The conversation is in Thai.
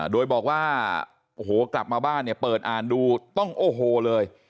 โดยบอกว่าโอ้โหกลับมาบ้านเนี่ยเปิดอ่านดูต้องโอ้โหเลย